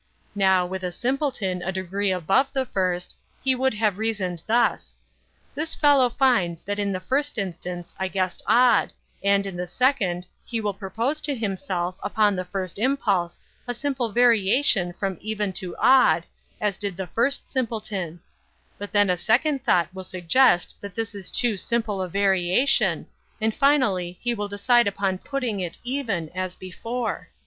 Now, with a simpleton a degree above the first, he would have reasoned thus: 'This fellow finds that in the first instance I guessed odd, and, in the second, he will propose to himself, upon the first impulse, a simple variation from even to odd, as did the first simpleton; but then a second thought will suggest that this is too simple a variation, and finally he will decide upon putting it even as before.